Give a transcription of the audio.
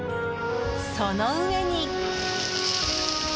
その上に。